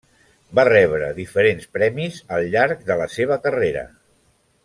Va rebre diferents premis al llarg de la seva carrera.